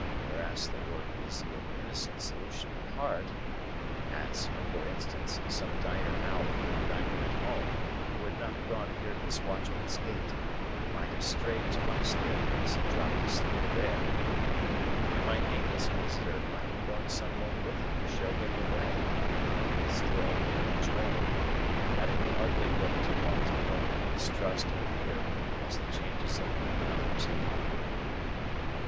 Whereas they were easy of innocent solution apart,—as, for instance, some diner out or diner at home, who had not gone near this watchman's gate, might have strayed to my staircase and dropped asleep there,—and my nameless visitor might have brought some one with him to show him the way,—still, joined, they had an ugly look to one as prone to distrust and fear as the changes of a few hours had made me.